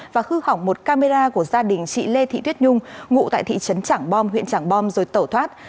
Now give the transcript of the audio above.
và hư hỏng một camera của gia đình chị lê thị tuyết nhung ngụ tại thị trấn trảng bom huyện trảng bom rồi tẩu thoát